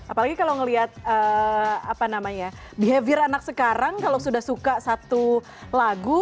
apalagi kalau ngelihat apa namanya behavior anak sekarang kalau sudah suka satu lagu